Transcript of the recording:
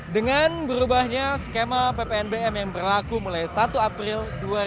dengan berubahnya skema ppnbm yang berlaku mulai satu april dua ribu dua puluh